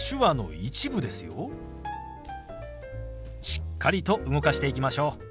しっかりと動かしていきましょう。